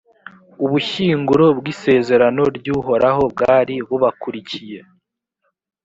ubushyinguro bw’isezerano ry’uhoraho bwari bubakurikiye.